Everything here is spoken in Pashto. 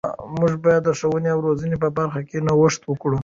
موږ باید د ښوونې او روزنې په برخه کې نوښت وکړو.